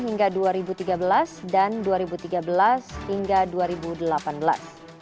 nooita j avantemier august dua ribu delapan belas hingga dua ribu tiga belas dan dua ribu tiga belas hingga dua ribu delapan belas